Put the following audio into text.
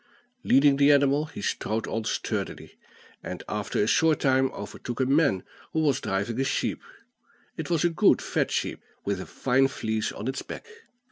Leading the animal, he strode on sturdily, and, after a short time, overtook a man who was driving a sheep. It was a good fat sheep, with a fine fleece on its back.